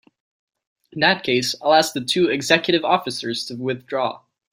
In that case I'll ask the two executive officers to withdraw.